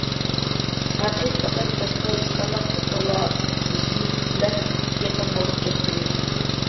ھەقىقەتەن باشقا ھېچقانداق قىز ساۋاقدىشىمىز بىلەن يېقىن بولۇپ كەتمىدى.